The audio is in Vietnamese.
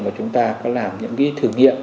và chúng ta có làm những cái thử nghiệm